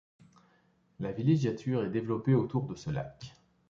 La villégiature est développée autour de ce lac.